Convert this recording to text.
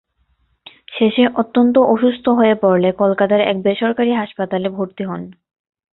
শেষে অত্যন্ত অসুস্থ হলে পড়লে কলকাতার এক বেসরকারি হাসপাতালে ভর্তি হন।